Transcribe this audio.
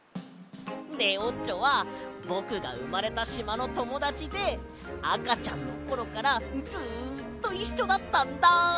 レオッチョはぼくがうまれたしまのともだちであかちゃんのころからずっといっしょだったんだ！